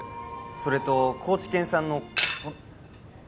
それと高知県産の